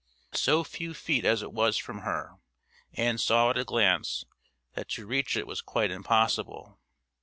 So few feet as it was from her, Ann saw at a glance that to reach it was quite impossible.